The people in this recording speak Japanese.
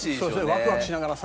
ワクワクしながらさ